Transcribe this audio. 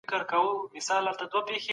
هلمند د صبر، همت او استقامت درس ورکوي.